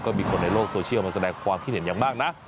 ก็มีคนในโลกโซเชียลมาแสดงความคิดเห็นอย่างมากนะ